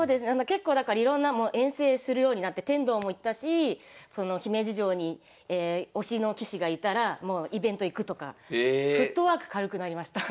結構だからいろんなもう遠征するようになって天童も行ったし姫路城に推しの棋士が居たらイベント行くとかフットワーク軽くなりました。